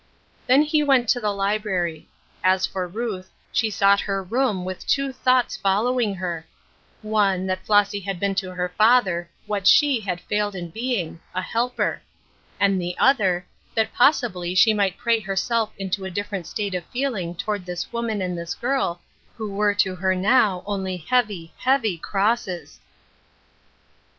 Then he went to the library. As for Ruth, she sought her room with two thoughts follow ing her : one, that Flossy had been to her father what she had failed in being — a helper ; and the other, that possibly she might pray herself into a different state of feeling toward this woman and this girl, who were to her now only heavy, heavy crosses.